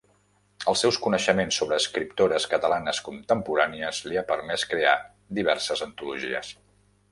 Els seus coneixements sobre escriptores catalanes contemporànies li ha permès crear diverses antologies.